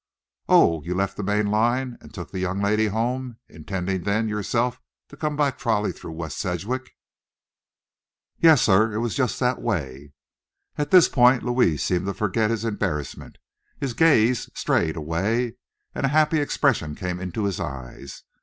"Oh, you left the main line and took the young lady home, intending then yourself to come by trolley through West Sedgwick?" "Yes, sir; it was just that way." At this point Louis seemed to forget his embarrassment, his gaze strayed away, and a happy expression came into his eyes.